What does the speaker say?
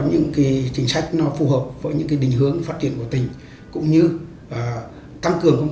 những cái chính sách phù hợp với những cái định hướng phát triển của tỉnh cũng như tăng cường công